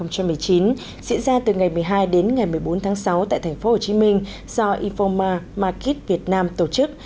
diễn ra từ ngày một mươi hai đến ngày một mươi bốn tháng sáu tại thành phố hồ chí minh do informa market việt nam tổ chức